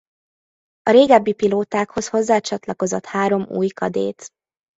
A régebbi pilótákhoz hozzá csatlakozott három új kadét.